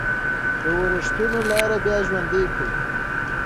د وریښمو لاره بیا ژوندی کیږي؟